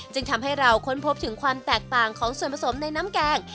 จึงทำให้เราค้นพบถึงความแตกต่างของส่วนผสมในน้ำแกง